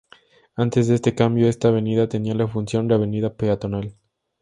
Antes de este cambio esta avenida tenía la función de avenida peatonal.